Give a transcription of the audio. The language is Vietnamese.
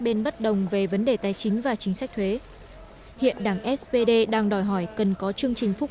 bên bất đồng về vấn đề tài chính và chính sách thuế hiện đảng spd đang đòi hỏi cần có chương trình phúc